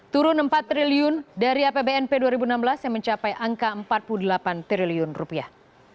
turun empat triliun dari apbnp dua ribu enam belas yang mencapai angka empat puluh delapan triliun rupiah